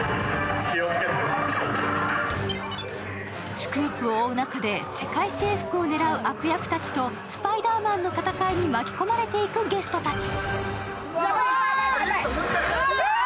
スクープを追う中で世界征服を狙う悪役たちと、スパイダーマンの戦いに巻き込まれていくゲストたち。